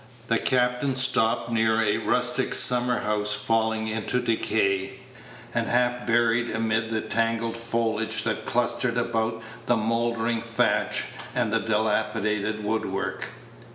The captain stopped near a rustic summer house falling into decay, and half buried amid the tangled foliage that clustered about the mouldering thatch and the dilapidated woodwork.